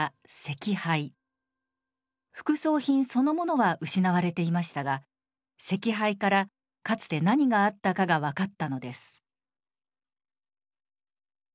副葬品そのものは失われていましたが石牌からかつて何があったかが分かったのです。